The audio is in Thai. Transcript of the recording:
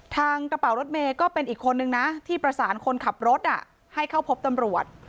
กระเป๋ารถเมย์ก็เป็นอีกคนนึงนะที่ประสานคนขับรถให้เข้าพบตำรวจ